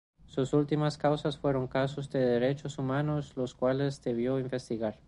Sus últimas causas fueron casos de derechos humanos los cuales debió investigar.